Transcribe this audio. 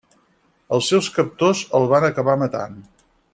Els seus captors el van acabar matant.